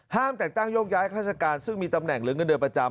แต่งตั้งโยกย้ายข้าราชการซึ่งมีตำแหน่งหรือเงินเดือนประจำ